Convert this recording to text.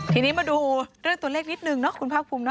ทีนี้มาดูเรื่องตัวเลขนิดนึงเนาะคุณภาคภูมินะ